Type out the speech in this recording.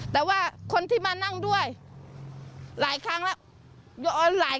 แต่ว่าที่มานั่งด้วยหลายครั้งซึ่งปุ่มทาง